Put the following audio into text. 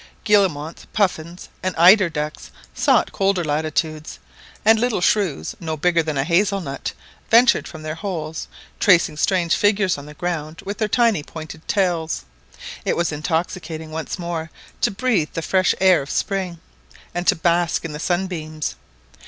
Guillemots, puffins, and eider ducks sought colder latitudes; and little shrews no bigger than a hazel nut ventured from their holes, tracing strange figures on the ground with their tiny pointed tails. It was intoxicating once more to breathe the fresh air of spring, and to bask in the sunbeams.